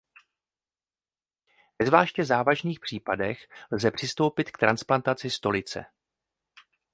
Ve zvláště závažných případech lze přistoupit k transplantaci stolice.